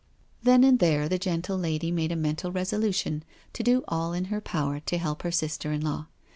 '* Then and there the gentle lady made a mental resolution to do all in her power to help her sister in law.